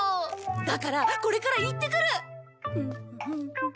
だからこれから行ってくる。